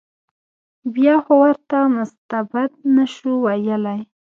بیا خو ورته مستبد نه شو ویلای.